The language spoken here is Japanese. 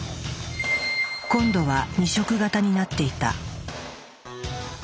今度は２色型になっていた。